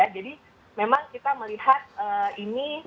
jadi memang kita melihat ini